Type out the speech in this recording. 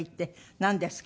「なんですか？